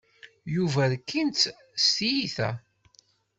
Yuba rkin-t s tyita.